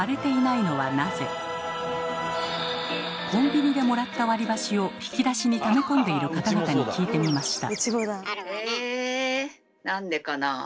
コンビニでもらった割り箸を引き出しにため込んでいる方々に聞いてみました。